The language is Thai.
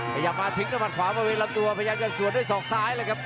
พยายามมาถึงต้นผ่านขวามาเวลาตัวพยายามกันสวนด้วยศอกซ้ายเลยครับ